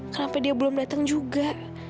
kenapa dia belum datang juga